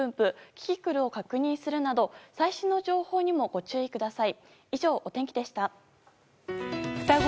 キキクルを確認するなど最新の情報にもご注意ください。